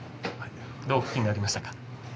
どうお聞きになりましたか？